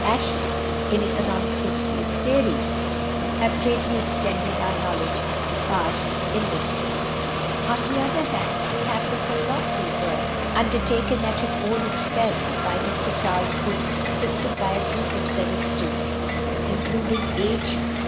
Ashley in "Economic History and Theory," have greatly extended our knowledge of past industry. On the other, we have the colossal work undertaken at his own expense by Mr Charles Booth, assisted by a group of zealous students including H.